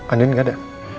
andi gak ada